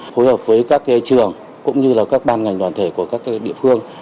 phối hợp với các cái trường cũng như là các ban ngành đoàn thể của các cái địa phương